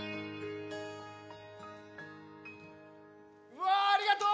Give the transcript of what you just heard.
うわありがとう！